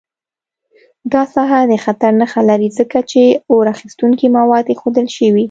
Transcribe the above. دا ساحه د خطر نښه لري، ځکه چې اور اخیستونکي مواد ایښودل شوي.